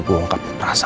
dan gue tau